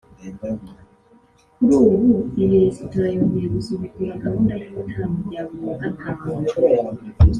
Kuri ubu iyi resitora yongeye gusubukura gahunda y’ibitaramo bya buri wa Gatanu